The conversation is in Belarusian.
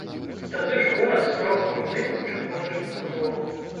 Тады ж горад стаў буйным чыгуначным вузлом.